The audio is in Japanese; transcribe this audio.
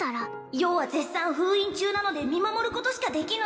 余は絶賛封印中なので見守ることしかできぬ